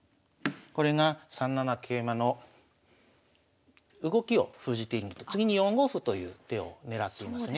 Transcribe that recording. これが３七桂馬の動きを封じているのと次に４五歩という手を狙っていますね。